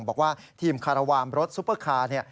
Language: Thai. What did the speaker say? บอกว่าทีมคาราวามรถซุปเปอร์คาร์